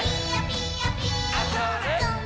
あ、それっ。